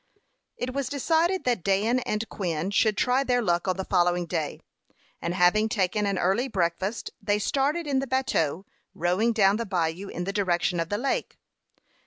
It was decided that Dan and Quin should try their luck on the following day; and having taken an early breakfast, they started in the bateau, rowing down the bayou in the direction of the lake.